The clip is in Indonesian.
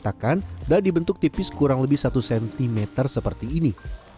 ketan yang sudah diratakan dan dibentuk tipis kurang lebih satu cm seperti ini